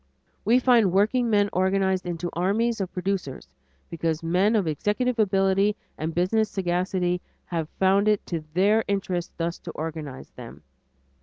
We find workingmen organized into armies of producers because men of executive ability and business sagacity have found it to their interests thus to organize them.